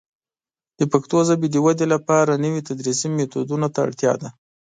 د پښتو ژبې د ودې لپاره نوي تدریسي میتودونه ته اړتیا ده.